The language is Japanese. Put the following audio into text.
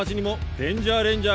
デンジャーレンジャー！